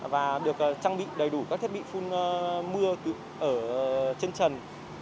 và được trang bị đầy đủ các thiết bị phun mưa ở chân trần